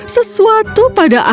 sesuatu pada akhirnya